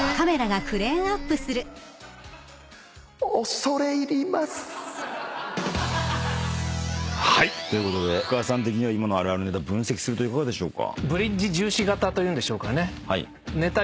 「恐れ入ります」ということでふかわさん的には今のあるあるネタ分析するといかがでしょうか？